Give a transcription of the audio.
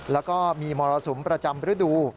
แล้วก็มีมรสุมประจำฤดู